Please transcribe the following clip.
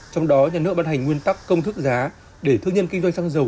trong đó nhà nước bắt hành nguyên tắc công thức giá để thương nhân kinh doanh xăng dầu